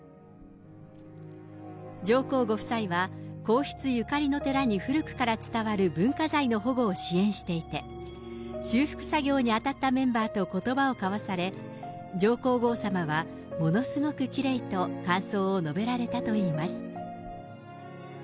上皇ご夫妻は、皇室ゆかりの寺に古くから伝わる文化財の保護を支援していて、修復作業に当たったメンバーとことばを交わされ、上皇后さまはものすごくきれいと感想を述べられたといいます。